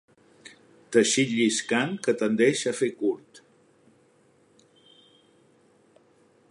Teixit lliscant que tendeix a fer curt.